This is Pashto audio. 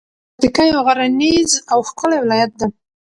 پکتیکا یو غرنیز او ښکلی ولایت ده.